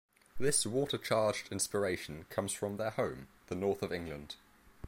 This water-charged inspiration comes from their home, the north of England.